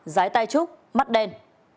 giái tai trúc mắt đen